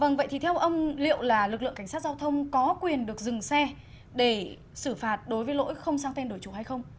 vâng vậy thì theo ông liệu là lực lượng cảnh sát giao thông có quyền được dừng xe để xử phạt đối với lỗi không sang tên đổi chủ hay không